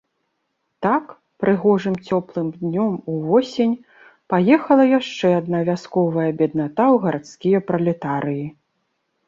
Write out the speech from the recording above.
Так, прыгожым цёплым днём увосень, паехала яшчэ адна вясковая бедната ў гарадскія пралетарыі.